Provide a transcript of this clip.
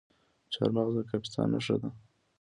چهارمغز د کاپیسا نښه ده.